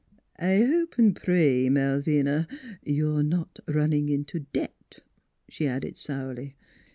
" I hope an' pray, Malvina, you're not runnin' into debt," she added sourly.